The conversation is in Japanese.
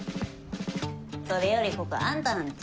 それよりここあんたらん家？